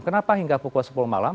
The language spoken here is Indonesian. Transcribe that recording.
kenapa hingga pukul sepuluh malam